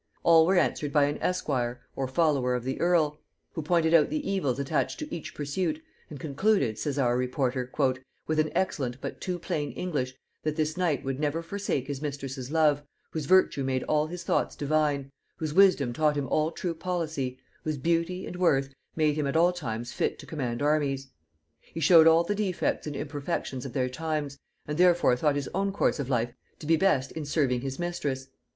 All were answered by an esquire, or follower of the earl, who pointed out the evils attached to each pursuit, and concluded, says our reporter, "with an excellent but too plain English, that this knight would never forsake his mistress' love, whose virtue made all his thoughts divine, whose wisdom taught him all true policy, whose beauty and worth made him at all times fit to command armies. He showed all the defects and imperfections of their times, and therefore thought his own course of life to be best in serving his mistress....